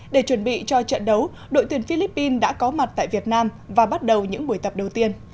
để chuẩn bị cho trận đấu đội tuyển philippines đã có mặt tại việt nam và bắt đầu những buổi tập đầu tiên